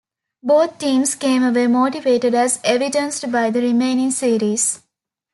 Both teams came away motivated, as evidenced by the remaining series.